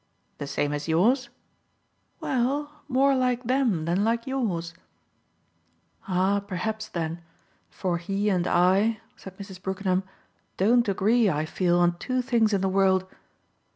"The same as yours?" "Well, more like them than like yours." "Ah perhaps then for he and I," said Mrs. Brookenham, "don't agree, I feel, on two things in the world.